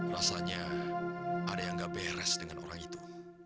rasanya ada yang gak beres dengan orang itu